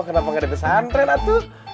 kenapa gak ada pesantren atu